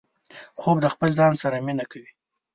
خوب د خپل ځان سره مينه ده